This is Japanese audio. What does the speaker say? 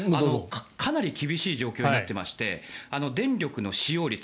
かなり厳しい状況になっていまして電力の使用率。